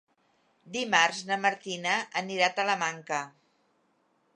Dimarts na Martina anirà a Talamanca.